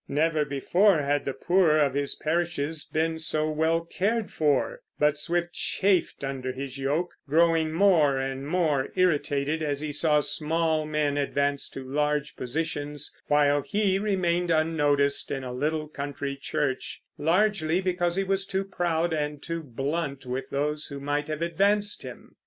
Never before had the poor of his parishes been so well cared for; but Swift chafed under his yoke, growing more and more irritated as he saw small men advanced to large positions, while he remained unnoticed in a little country church, largely because he was too proud and too blunt with those who might have advanced him.